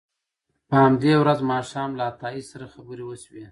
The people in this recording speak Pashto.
په همدې ورځ ماښام له عطایي سره خبرې وشوې.